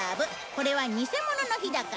これは偽物の火だから。